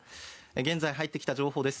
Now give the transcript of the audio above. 現在、入ってきた情報です。